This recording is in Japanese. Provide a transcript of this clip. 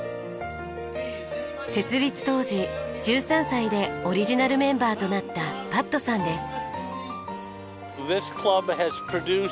設立当時１３歳でオリジナルメンバーとなったパットさんです。